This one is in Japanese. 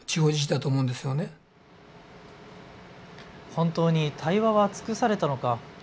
本当に対話は尽くされたのか。